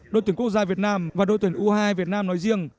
đội tuyển quốc gia việt nam và đội tuyển u hai mươi hai việt nam nói riêng